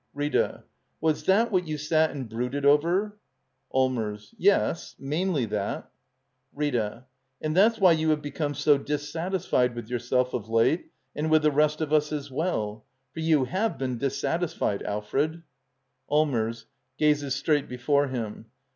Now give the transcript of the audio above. Rfta. Was that what you sat and brooded over? Allmers. Yes; mainly that. Rita. And that's why you have beoHne so dis satisfied with yourself of late, and with the rest of us as well. For you have been dissatisfied, Alfred. Allmers. [Gazes straight before him.